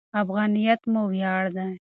افغانیت مو ویاړ دی.